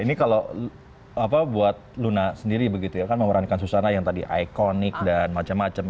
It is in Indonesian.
ini kalau apa buat luna sendiri begitu itu kan me masked susana yang tadi iconic dan macam macam